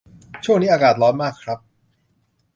ช่วงนี้อากาศร้อนมากครับ